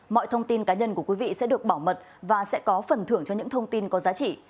mọi thông tin cá nhân của quý vị sẽ được bảo mật và sẽ có phần thưởng cho những thông tin có giá trị